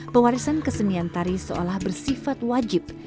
pewarisan kesenian tari seolah bersifat wajib